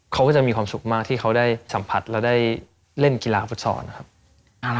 เขาก็จะมีความสุขมากที่เขาได้สัมผัสและได้เล่นกีฬาฟุตซอลนะครับ